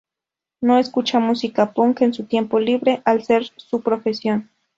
No escucha música punk en su tiempo libre, al ser su profesión.